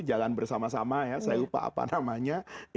jalan bersama sama ya saya lupa apa namanya